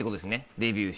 デビュー